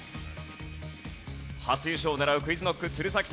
初優勝を狙うＱｕｉｚＫｎｏｃｋ鶴崎さん。